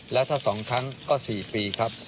แล้วถ้า๒ครั้งก็๔ปีครับ